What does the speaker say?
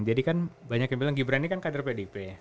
jadi kan banyak yang bilang gibran ini kan kader pdp